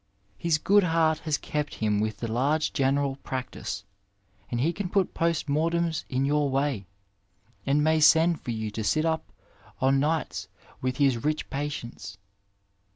His good heart has kept him with a large general practice, and he can put post mortems in your way, and may send for you to sit up o' nights with his rich patients.